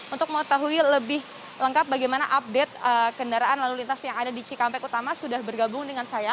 untuk mengetahui lebih lengkap bagaimana update kendaraan lalu lintas yang ada di cikampek utama sudah bergabung dengan saya